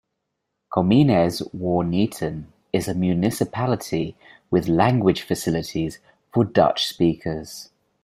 Comines-Warneton is a municipality with language facilities for Dutch-speakers.